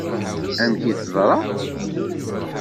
Amek i teḍṛa?